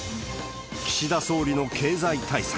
岸田総理の経済対策。